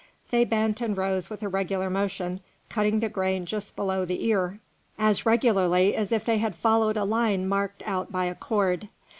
They bent and rose with a regular motion, cutting the grain just below the ear, as regularly as if they had followed a line marked out by a cord.